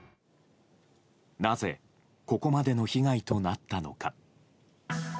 なぜここまでの被害となったのか。